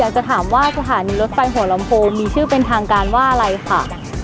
สถานีรถไฟหัวลำโพงมีชื่อเป็นทางการว่าอะไรคะ